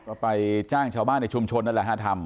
ก็ไปจ้างชาวบ้านในชุมชนนั่นแหละฮะทำ